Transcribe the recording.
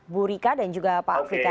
bu rika dan juga pak abdul fikal